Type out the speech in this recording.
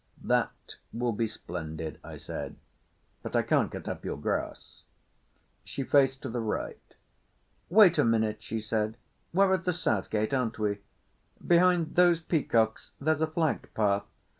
"That will be splendid," I said. "But I can't cut up your grass." She faced to the right. "Wait a minute," she said. "We're at the South gate, aren't we? Behind those peacocks there's a flagged path.